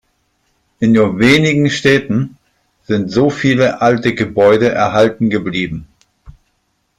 In nur wenigen Städten sind so viele alte Gebäude erhalten geblieben.